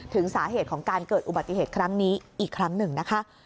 ถึงสาเหตุของการเกิดอุบัติเหตุครั้งนี้อีกครั้งหนึ่งนะคะ